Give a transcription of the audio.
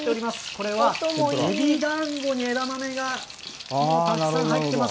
これはエビだんごに枝豆がたくさん入ってます。